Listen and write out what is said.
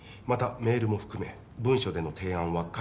「またメールも含め文書での提案は」